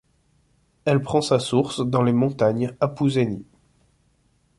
Elle prend sa source dans les montagnes Apuseni.